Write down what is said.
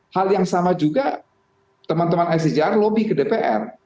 hal yang sama juga teman teman icjr lobby ke dpr